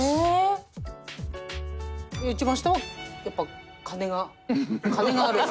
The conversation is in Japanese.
一番下はやっぱ金が金がある人。